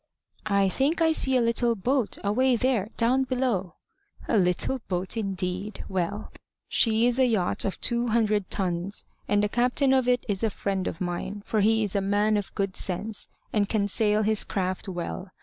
"I think I see a little boat, away there, down below." "A little boat, indeed! Well! She's a yacht of two hundred tons; and the captain of it is a friend of mine; for he is a man of good sense, and can sail his craft well.